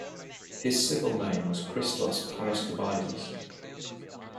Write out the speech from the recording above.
His civil name was Christos Paraskevaidis.